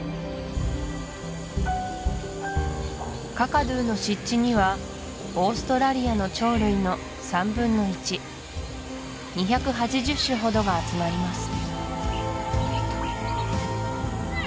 カカドゥの湿地にはオーストラリアの鳥類の３分の１２８０種ほどが集まります